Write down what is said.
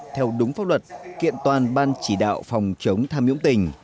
theo đúng pháp luật kiện toàn ban chỉ đạo phòng chống tham nhũng tỉnh